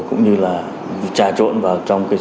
cũng như là trà trộn vào trong cây xe